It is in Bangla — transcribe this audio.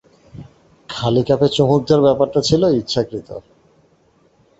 খালি কাপে চুমুক দেওয়ার ব্যাপারটা ছিল ইচ্ছাকৃত।